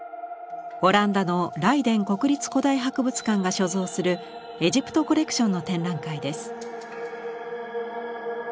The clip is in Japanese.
オランダのライデン国立古代博物館が所蔵するエジプト・コレクションの展覧会です。